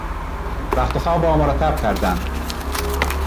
رختخواب را مرتب کردن